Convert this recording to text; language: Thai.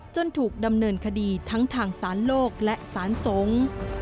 ถูกดำเนินคดีทั้งทางสารโลกและสารสงฆ์